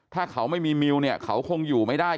ถ้าเขาไม่มีมิวเนี่ยเขาคงอยู่ไม่ได้